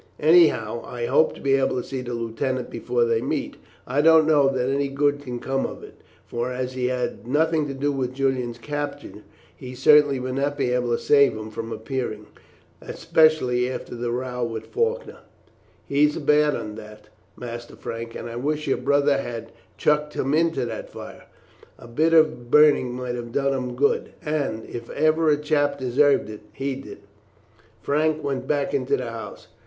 Anyhow, I hope to be able to see the lieutenant before they meet. I don't know that any good can come of it; for, as he had nothing to do with Julian's capture, he certainly would not be able to save him from appearing, especially after that row with Faulkner." "He's a bad un that, Master Frank, and I wish your brother had chucked him into that fire. A bit of burning might have done him good; and, if ever a chap deserved it, he did." Frank went back into the house.